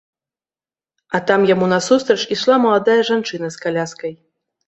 А там яму насустрач ішла маладая жанчына з каляскай.